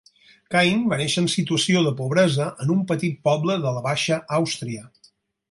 Kain va néixer en situació de pobresa en un petit poble de la Baixa Àustria.